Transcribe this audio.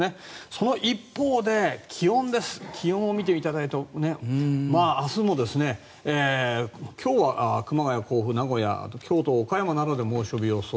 その一方で気温を見ていただくと今日は熊谷、甲府、名古屋、京都などで猛暑日予想。